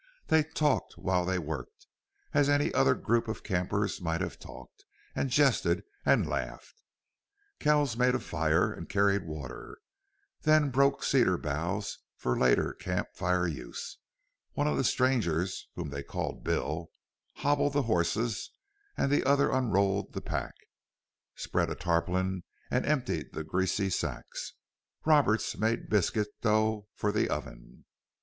They talked while they worked, as any other group of campers might have talked, and jested and laughed. Kells made a fire, and carried water, then broke cedar boughs for later camp fire use; one of the strangers whom they called Bill hobbled the horses; the other unrolled the pack, spread a tarpaulin, and emptied the greasy sacks; Roberts made biscuit dough for the oven.